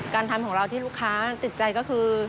การทำของเราที่ลูกค้าติดใจก็คือ